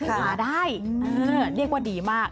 หาได้เรียกว่าดีมาก